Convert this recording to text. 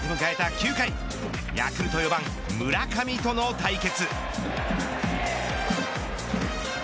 ９回ヤクルト４番、村上との対決。